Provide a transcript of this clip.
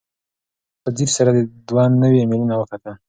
ده په ځیر سره دوه نوي ایمیلونه وکتل.